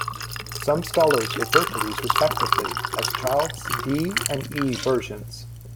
Some scholars refer to these respectively as Child's D and E versions.